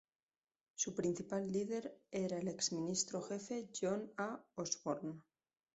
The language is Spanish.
Su principal líder era el ex-ministro jefe John A. Osborne.